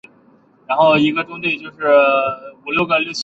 村民靠着村庄北侧的鱼塘维生。